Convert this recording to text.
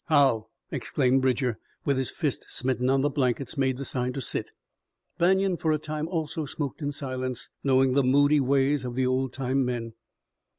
"How!" exclaimed Bridger, and with fist smitten on the blankets made the sign to "Sit!" Banion for a time also smoked in silence, knowing the moody ways of the old time men.